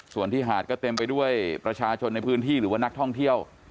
ส่วนที่หาดก็เต็มไปด้วยประชาชนในพื้นที่หรือว่านักท่องเที่ยว